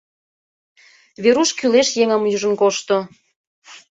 Веруш кӱлеш еҥым ӱжын кошто.